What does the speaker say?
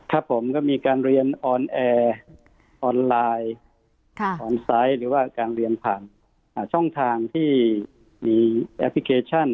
ครับผมก็มีการเรียนออนแอร์ออนไลน์ออนไซต์หรือว่าการเรียนผ่านช่องทางที่มีแอปพลิเคชัน